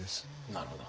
なるほど。